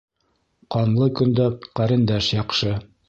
Ҡанлы көндә ҡәрендәш яҡшы